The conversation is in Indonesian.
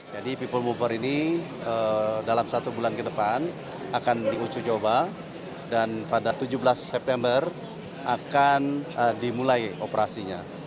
jadi people boomer ini dalam satu bulan ke depan akan diucu coba dan pada tujuh belas september akan dimulai operasi